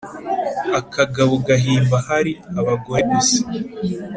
• akagabo gahimba hari abagore gusa